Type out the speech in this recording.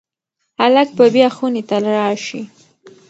هلک به بیا خونې ته راشي.